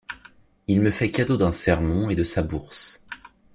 Il me fait cadeau d’un sermon et de sa bourse.